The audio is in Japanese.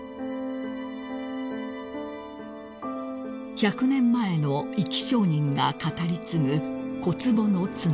［１００年前の生き証人が語り継ぐ小坪の津波］